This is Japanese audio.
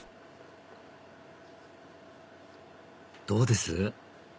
どうです？